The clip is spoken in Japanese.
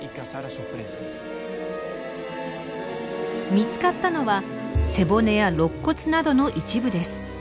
見つかったのは背骨やろっ骨などの一部です。